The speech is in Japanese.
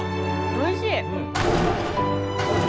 おいしい！